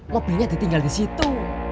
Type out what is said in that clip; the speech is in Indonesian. mobilnya ditinggal di situ